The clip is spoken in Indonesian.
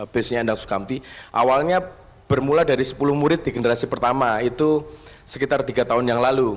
bisnisnya endang sukamti awalnya bermula dari sepuluh murid di generasi pertama itu sekitar tiga tahun yang lalu